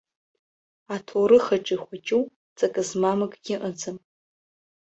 Аҭоурых аҿы ихәыҷу, ҵакы змам акгьы ыҟаӡам.